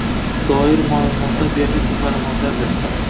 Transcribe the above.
doir ma’lumotlar biometrik ma’lumotlardir.